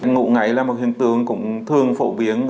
ngủ ngáy là một hình tướng cũng thường gặp nhất là bệnh lý ngủ ngáy